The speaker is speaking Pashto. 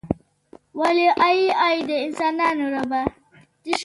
ولې ای ای د انسانانو ربه.